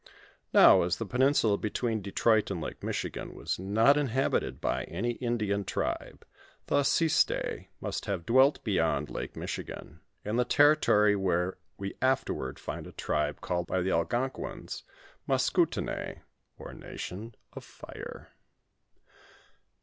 Now as the peninsula between Detroit and Lake Michigan was not inhabited by any Indian tribe, the Assistae must have dwelt beyond Lake Michigan, in the territory where we afterward find a tribe called by the Algonquine^ Maskontench, or Nation of Fire.